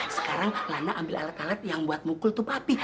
sekarang lana ambil alat alat yang buat mukul tuh api